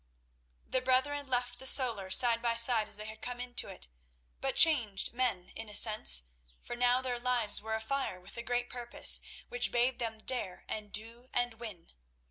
The brethren left the solar side by side as they had come into it, but changed men in a sense, for now their lives were afire with a great purpose, which bade them dare and do and win.